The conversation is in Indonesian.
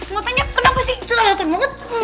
mau tanya kenapa sih celah banget